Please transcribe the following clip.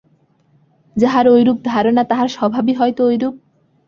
যাহার ঐরূপ ধারণা তাহার স্বভাবই হয়তো ঐরূপ।